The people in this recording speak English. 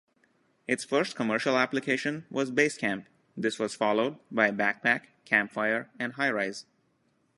Its first commercial application was "Basecamp"; this was followed by Backpack, Campfire, and Highrise.